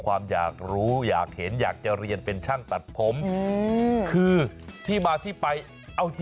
เขาตัดผมได้เร็วมาก๕นาทีประมาณ๕๑๐นาทีเสร็จ